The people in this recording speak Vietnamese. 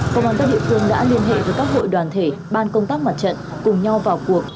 công an các địa phương đã liên hệ với các hội đoàn thể ban công tác mặt trận cùng nhau vào cuộc